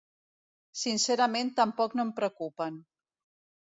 Sincerament tampoc no em preocupen.